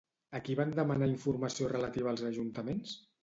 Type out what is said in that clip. A qui van demanar informació relativa als ajuntaments?